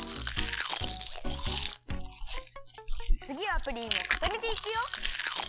つぎはプリンをかためていくよ。